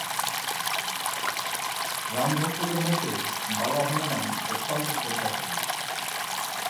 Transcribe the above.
রাম ভক্তদের মধ্যে বালা হনুমান অত্যন্ত শ্রদ্ধাশীল।